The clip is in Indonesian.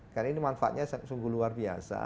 karena ini manfaatnya sungguh luar biasa